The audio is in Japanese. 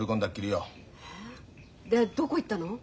えっ？でどこ行ったの？